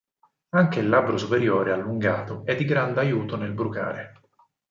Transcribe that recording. Anche il labbro superiore allungato è di grande aiuto nel brucare.